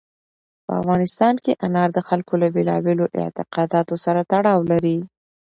په افغانستان کې انار د خلکو له بېلابېلو اعتقاداتو سره تړاو لري.